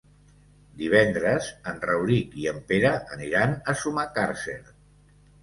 Divendres en Rauric i en Pere aniran a Sumacàrcer.